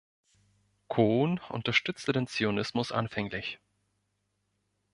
Cohn unterstützte den Zionismus anfänglich.